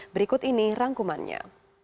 berikut ini rangkumannya